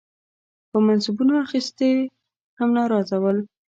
په منصبونو اخیستو هم ناراضه ول.